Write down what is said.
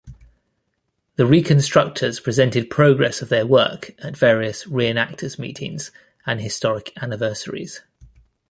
The reconstructors presented progress of their work at various reenactors' meetings and historic anniversaries.